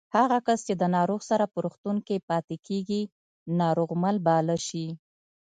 هغه کس چې د ناروغ سره په روغتون کې پاتې کېږي ناروغمل باله شي